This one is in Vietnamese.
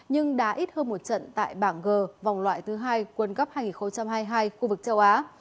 nhưng đã ít hơn một trận tại bảng g vòng loại thứ hai world cup hai nghìn hai mươi hai khu vực châu á